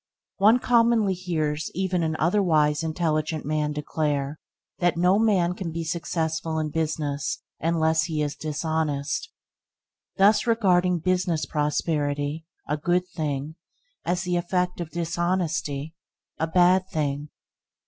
One commonly hears even an otherwise intelligent man declare that "No man can be successful in business unless he is dishonest," thus regarding business prosperity – a good thing – as the effect of dishonesty – a bad thing.